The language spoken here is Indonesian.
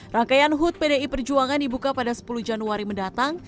rangkaian hud pdi perjuangan dibuka pada sepuluh januari mendatang